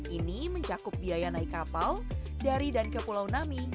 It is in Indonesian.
ini mencakup biaya naik kapal dari dan ke pulau nami